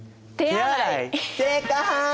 正解！